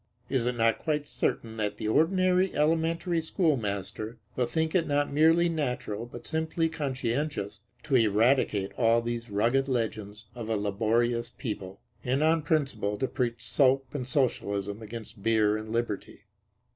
Is it not quite certain that the ordinary elementary schoolmaster will think it not merely natural but simply conscientious to eradicate all these rugged legends of a laborious people, and on principle to preach soap and Socialism against beer and liberty?